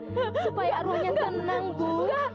supaya arwahnya tenang bu